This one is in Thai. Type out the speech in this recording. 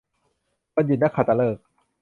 วันหยุดนักขัตฤกษ์